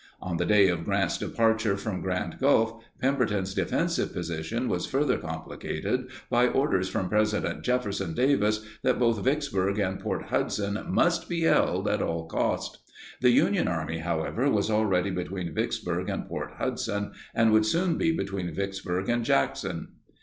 On the day of Grant's departure from Grand Gulf, Pemberton's defensive position was further complicated by orders from President Jefferson Davis that both Vicksburg and Port Hudson must be held at all cost. The Union Army, however, was already between Vicksburg and Port Hudson and would soon be between Vicksburg and Jackson.